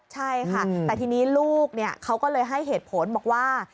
ใช่ค่ะแต่ทีนี้ลูกเขาก็เลยให้เหตุผลบอกว่า